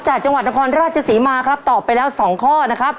จังหวัดนครราชศรีมาครับตอบไปแล้ว๒ข้อนะครับ